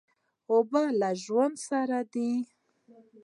اوبه له ژوند سره دي.